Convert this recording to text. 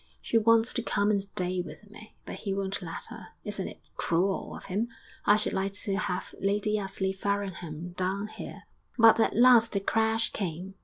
She wants to come and stay with me, but he won't let her. Isn't it cruel of him? I should so like to have Lady Ously Farrowham down here.' ... XIII But at last the crash came.